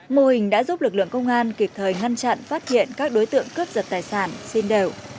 mô hình đã giúp lực lượng công an kịp thời ngăn chặn phát hiện các đối tượng cướp giật tài sản xin đều